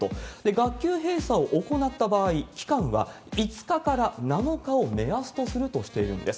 学級閉鎖を行った場合、期間は５日から７日を目安とするとしているんです。